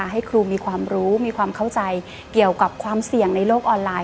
ให้ครูมีความรู้มีความเข้าใจเกี่ยวกับความเสี่ยงในโลกออนไลน